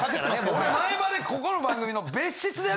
俺前までここの番組の。